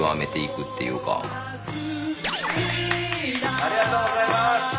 ありがとうございます！